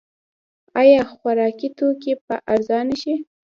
آیا خوراکي توکي به ارزانه شي؟